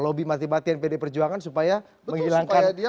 lobby mati mati npd perjuangan supaya menghilangkan